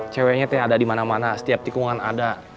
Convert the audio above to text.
ceweknya teh ada dimana mana setiap tikungan ada